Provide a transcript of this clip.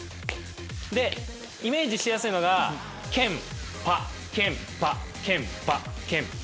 でイメージしやすいのがケンパッケンパッケンパッケンパッ。